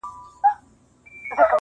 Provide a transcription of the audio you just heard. باز دي کم شهباز دي کم خدنګ دی کم!